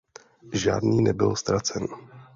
Žádný nebyl ztracen.